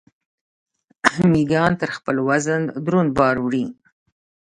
میږیان تر خپل وزن دروند بار وړي